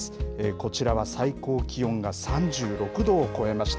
こちらは最高気温が３６度を超えました。